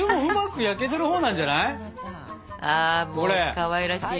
かわいらしいな。